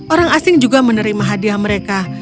orang asing juga menerima hadiah mereka